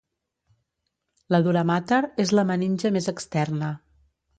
La duramàter és la meninge més externa.